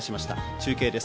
中継です。